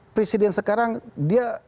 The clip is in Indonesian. presiden sekarang dia